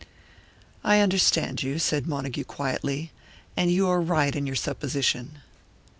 "I understand you," said Montague, quietly; "and you are right in your supposition."